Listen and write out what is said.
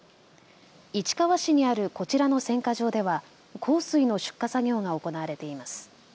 市川市にあるこちらの選果場では幸水の出荷作業が行われています。